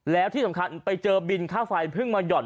แล้วที่สำคัญไปเจอบินค่าไฟเพิ่งมาหย่อน